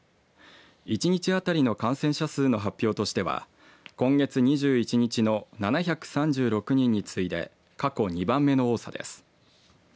一日当たりの感染者数の発表としては今月２１日の７３６人に次いで過去２番目の多さです。